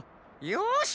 よし！